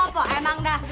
po emang dah